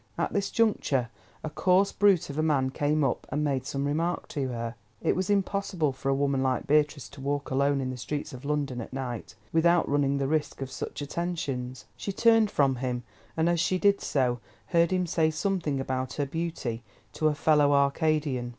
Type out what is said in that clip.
At this juncture, a coarse brute of a man came up and made some remark to her. It was impossible for a woman like Beatrice to walk alone in the streets of London at night, without running the risk of such attentions. She turned from him, and as she did so, heard him say something about her beauty to a fellow Arcadian.